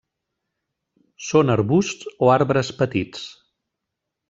Són arbusts o arbres petits.